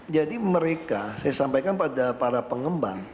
jadi mereka saya sampaikan pada para pengembang